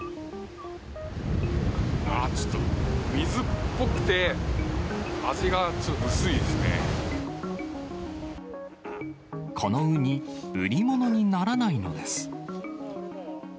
あー、ちょっと、水っぽくて、このウニ、売り物にならないのです。